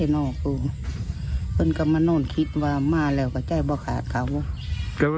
เพื่อนกำมะโน่นคิดว่ามาแล้วก็ใจบ่ถาดเขา